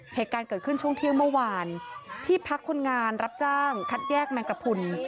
เหตุการณ์เกิดขึ้นช่วงเที่ยงเมื่อวานที่พักคนงานรับจ้างคัดแยกแมงกระพุน